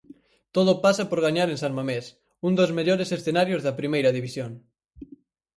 Todo pasa por gañar en San Mamés, un dos mellores escenarios da Primeira División.